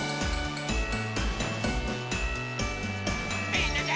みんなで。